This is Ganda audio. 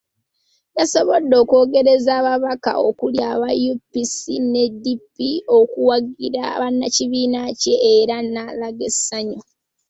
Yasobodde okwogereza ababaka okuli aba UPC ne DP okuwagira bannakibiiina kye era n'alaga essanyu.